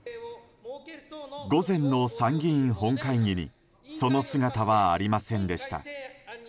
午前の参議院本会議にその姿はありませんでした。